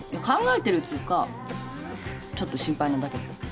考えてるっつうかちょっと心配なだけだよ。